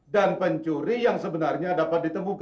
dan pencuri yang sebenarnya dapat ditemukan